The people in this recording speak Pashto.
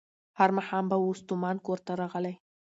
هر ماښام به وو ستومان کورته راغلی